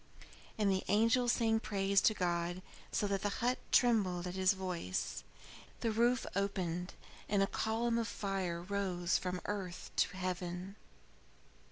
And the angel sang praise to God, so that the hut trembled at his voice. The roof opened, and a column of fire rose from earth to heaven.